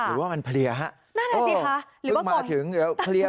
หรือว่ามันเพลียฮะนั่นแหละสิฮะหรือว่าเพิ่งมาถึงเดี๋ยวเพลีย